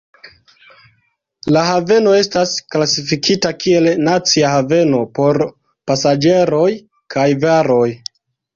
La haveno estas klasifikita kiel nacia haveno por pasaĝeroj kaj varoj.